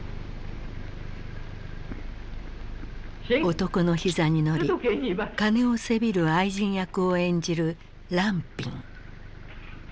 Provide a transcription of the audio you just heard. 男の膝に乗り金をせびる愛人役を演じる藍蘋。